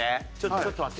ちょっと待って。